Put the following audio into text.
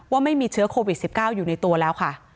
ว่าไม่มีเชื้อโควิด๑๙อยู่ในตัวแล้วค่ะ